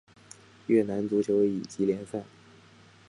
越南足球乙级联赛。